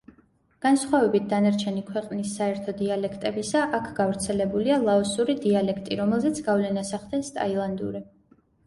განსხვავებით დანარჩენი ქვეყნის საერთო დიალექტებისა აქ გავრცელებულია ლაოსური დიალექტი, რომელზეც გავლენას ახდენს ტაილანდური.